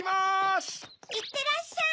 いってらっしゃい！